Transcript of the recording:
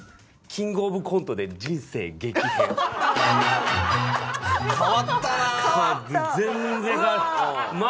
キングオブコントで人生激変。